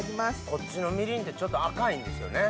こっちのみりんってちょっと赤いんですよね。